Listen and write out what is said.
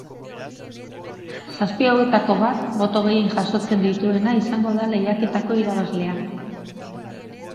Zazpi hauetako bat, boto gehien jasotzen dituena izango da lehiaketako irabazlea.